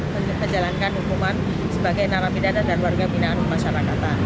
menjalankan hukuman sebagai narapidana dan warga pinaan masyarakat